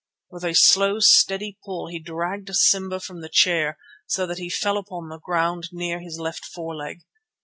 With a slow, steady pull he dragged Simba from the chair so that he fell upon the ground near his left foreleg.